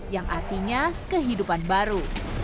yang artinya kehidupan baru